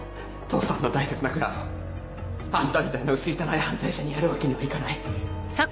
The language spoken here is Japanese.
父さんの大切な蔵をあんたみたいな薄汚い犯罪者にやるわけにはいかないう！